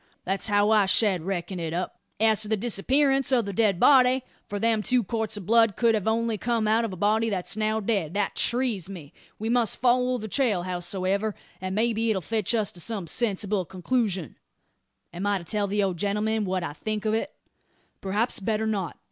That's how I shed reckon it up. As to the disappearance o' the dead body for them two quarts o' blood could only have come out o' a body that's now dead that trees me. We must follow the trail, howsoever; and maybe it'll fetch us to some sensible concloosion. Am I to tell the old gentleman what I think o't?" "Perhaps better not.